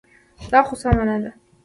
دا خو سمه نه ده.